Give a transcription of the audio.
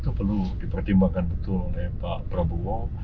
itu perlu dipertimbangkan betul oleh pak prabowo